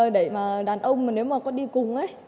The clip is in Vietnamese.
để mà đàn ông mà nếu mà có đi cùng ấy